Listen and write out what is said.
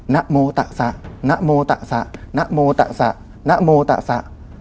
นะโมตัสะนะโมตัสะนะโมตัสะนะโมตัสะ